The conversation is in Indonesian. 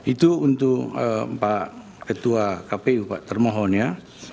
itu untuk pak ketua kpu pak termohon ya